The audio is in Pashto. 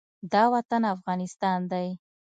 دا وطن افغانستان دى.